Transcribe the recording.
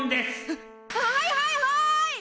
えっはいはいはい！